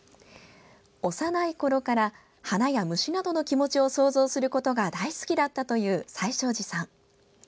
幼いころから、花や虫などの気持ちを想像することが大好きだったという最勝寺さん。